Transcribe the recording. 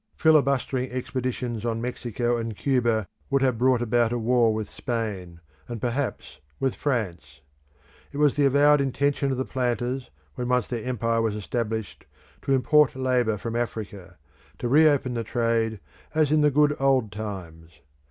Filibustering expeditions on Mexico and Cuba would have brought about a war with Spain, and perhaps with France. It was the avowed intention of the planters, when once their empire was established, to import labour from Africa; to re open the trade as in the good old times.